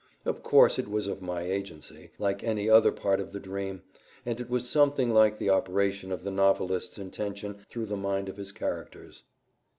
Of course, it was of my agency, like any other part of the dream, and it was something like the operation of the novelist's intention through the mind of his characters.